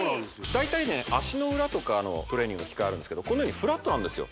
大体ね足の裏とかのトレーニングの機械あるんですけどこのようにフラットなんですよ